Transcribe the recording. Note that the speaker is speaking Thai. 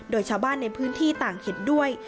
โดยชาวบ้านในพื้นที่ต่างเห็นด้วย